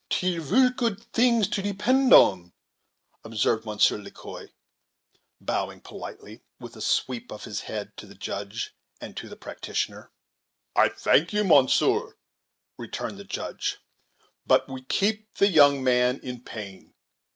"Two ver good tings to depend on," observed Monsieur Le Quoi, bowing politely, with a sweep of his head to the Judge and to the practitioner. "I thank you, monsieur," returned the Judge; "but we keep the young man in pain.